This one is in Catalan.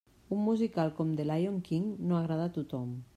Un musical com The Lyon King no agrada a tothom.